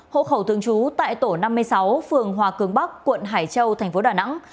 hộ khẩu thường trú tại tổ năm mươi sáu phường hòa cường bắc quận hải châu thành phố đà nẵng